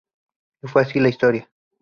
Y fue así la historia.